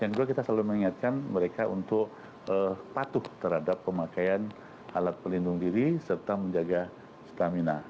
dan juga kita selalu mengingatkan mereka untuk patuh terhadap pemakaian alat pelindung diri serta menjaga stamina